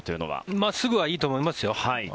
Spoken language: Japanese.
真っすぐはいいと思いますよ。